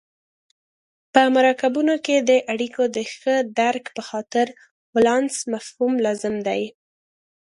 په مرکبونو کې د اړیکو د ښه درک په خاطر ولانس مفهوم لازم دی.